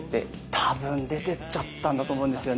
たぶん出てっちゃったんだと思うんですよね。